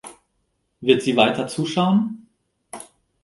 Wird sie weiter zuschauen?